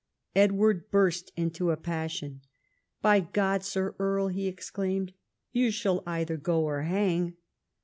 Edward burst into a passion. "By God, Sir Earl," he ex claimed, " you shall either go or hang."